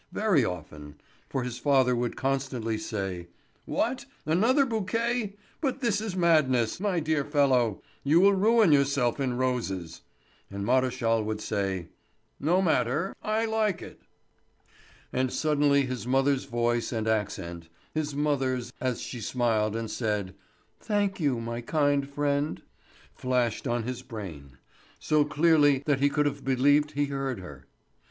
Very often—for his father would constantly say: "What, another bouquet! But this is madness, my dear fellow; you will ruin yourself in roses." And Maréchal would say: "No matter; I like it." And suddenly his mother's voice and accent, his mother's as she smiled and said: "Thank you, my kind friend," flashed on his brain, so clearly that he could have believed he heard her.